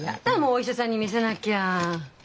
お医者さんに診せなきゃ。